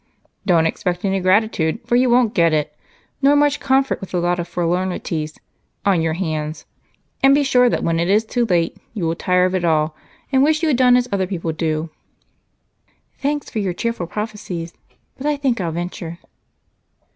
"Don't expect any gratitude, for you won't get it; nor much comfort with a lot of forlornities on your hands, and be sure that when it is too late you will tire of it all and wish you had done as other people do." "Thanks for your cheerful prophecies, but I think I'll venture."